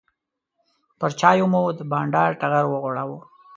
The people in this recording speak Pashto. پر چایو مو د بانډار ټغر وغوړاوه.